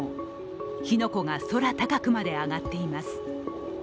火の粉が空高くまで上がっています。